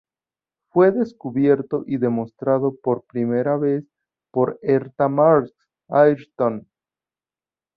Fue descubierto y demostrado por primera vez por Hertha Marks Ayrton.